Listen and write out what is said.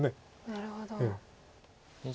なるほど。